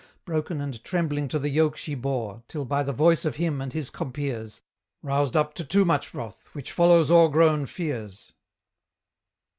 Broken and trembling to the yoke she bore, Till by the voice of him and his compeers Roused up to too much wrath, which follows o'ergrown fears?